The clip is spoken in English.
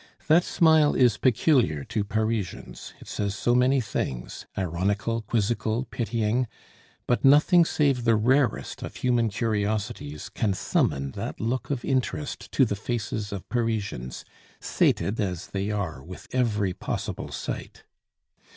That smile is peculiar to Parisians; it says so many things ironical, quizzical, pitying; but nothing save the rarest of human curiosities can summon that look of interest to the faces of Parisians, sated as they are with every possible sight.